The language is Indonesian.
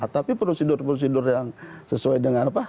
tapi prosedur prosedur yang sesuai dengan apa